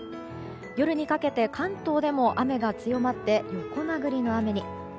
夜にかけて関東でも雨が強まって横殴りの雨に。